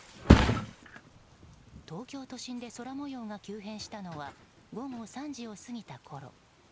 東京都心で空模様が急変したのは午後３時を過ぎたころ。